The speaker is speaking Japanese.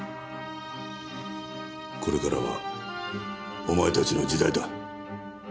これからはお前たちの時代だ。